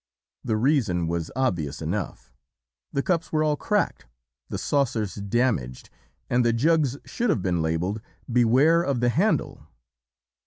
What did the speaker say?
The reason was obvious enough! The cups were all cracked, the saucers damaged, and the jugs should have been labelled 'beware of the handle.